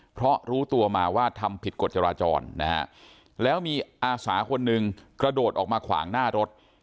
เพราะรู้ตัวมาว่าทำผิดกฎจราจรนะฮะแล้วมีอาสาคนหนึ่งกระโดดออกมาขวางหน้ารถ